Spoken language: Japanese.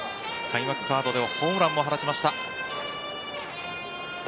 開幕カードではホームランも放ちました。